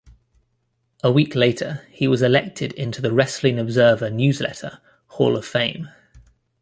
A week later, he was elected into the Wrestling Observer Newsletter Hall of Fame.